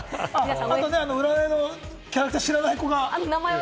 占いのキャラクター、知らない子が。